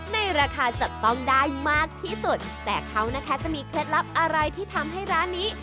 ในราคาจับต้องได้มากที่สุดแต่เขานะคะจะมีเคล็ดลับอะไรที่ทำให้ร้านนี้